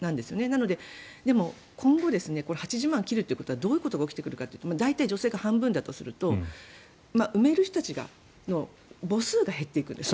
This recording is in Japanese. なので、でも今後８０万を切るということはどういうことが起きてくるかというと大体、女性が半分だとすると産める人たちの母数が減っていくんです。